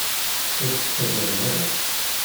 Ur k-ttagaden ara.